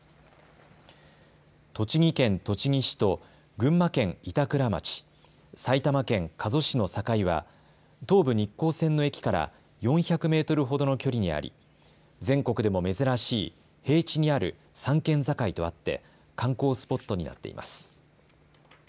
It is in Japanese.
栃木県栃木市と群馬県板倉町、埼玉県加須市の境は東武日光線の駅から４００メートルほどの距離にあり全国でも珍しい平地にある３県境とあって観光スポットになっています。